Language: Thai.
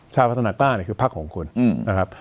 ชาวพัฒนากล้างคือพรรคของคุณนะครับ